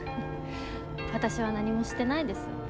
私は何もしてないです。